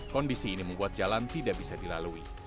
kondisi ini membuat jalan tidak bisa dilalui